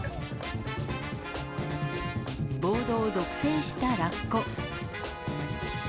ボードを独占したラッコ。